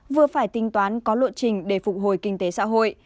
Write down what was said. vừa phải tính toán có lộ trình để phục hồi kinh tế xã hội